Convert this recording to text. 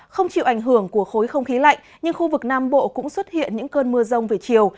không chịu ảnh hưởng của khối không khí lạnh nhưng khu vực nam bộ cũng xuất hiện những cơn mưa rông về chiều